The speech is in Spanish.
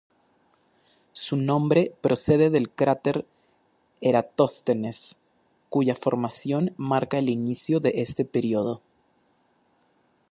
Su nombre procede del cráter Eratóstenes, cuya formación marca el inicio de este período.